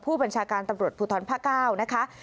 ผู้บัญชาการตำรวจผู้ท้อนพระเก้านะคะ